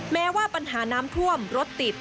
แม้ว่าปัญหาน้ำท่วมรถติด